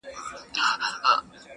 دوه او درې ځله غوټه سو په څپو کي.!